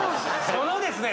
そのですね